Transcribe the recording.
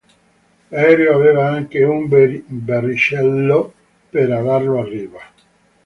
L'aereo aveva anche un verricello per alarlo a riva.